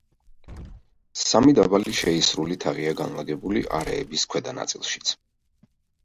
სამი დაბალი შეისრული თაღია განლაგებული არეების ქვედა ნაწილშიც.